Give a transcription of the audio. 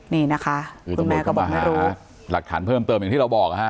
นี่นะคะคือคุณแม่ก็บอกให้รู้หลักฐานเพิ่มเติมอย่างที่เราบอกนะฮะ